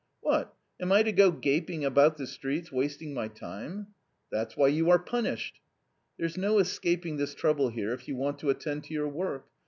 " What, am I to go gaping about the streets wasting my time ?"" That's why you are punished." "There's no escaping this trouble here if you want to attend to your work.